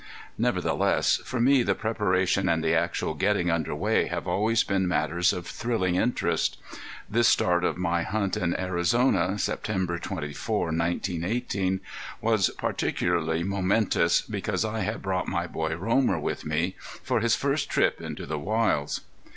Nevertheless, for me the preparation and the actual getting under way have always been matters of thrilling interest. This start of my hunt in Arizona, September 24, 1918, was particularly momentous because I had brought my boy Romer with me for his first trip into the wilds.